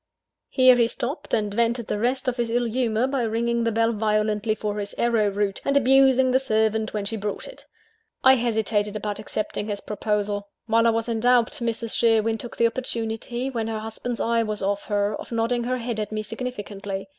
Here he stopped; and vented the rest of his ill humour by ringing the bell violently for "his arrow root," and abusing the servant when she brought it. I hesitated about accepting his proposal. While I was in doubt, Mrs. Sherwin took the opportunity, when her husband's eye was off her, of nodding her head at me significantly.